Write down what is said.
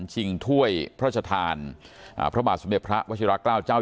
ชิงถ้วยพระชทานอ่าพระบาศมีพระวชิราต์เก้า